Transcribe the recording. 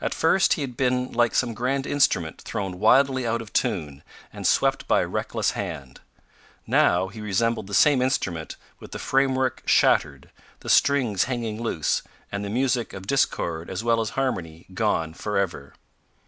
At first he had been like some grand instrument thrown wildly out of tune and swept by a reckless hand. Now he resembled the same instrument with the framework shattered, the strings hanging loose, and the music of discord as well as harmony gone for ever.